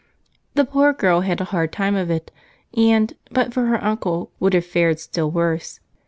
The poor girl had a hard time of it and, but for her uncle, would have fared still worse.